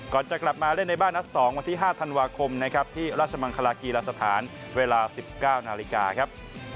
จะกลับมาเล่นในบ้านนัด๒วันที่๕ธันวาคมนะครับที่ราชมังคลากีฬาสถานเวลา๑๙นาฬิกาครับ